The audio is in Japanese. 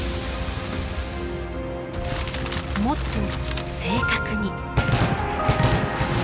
もっと正確に。